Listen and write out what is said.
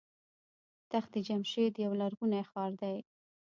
تخت جمشید یو لرغونی ښار دی.